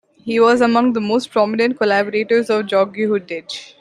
He was among the most prominent collaborators of Gheorghiu-Dej.